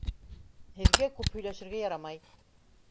Һеҙгә күп һөйләшергә ярамай.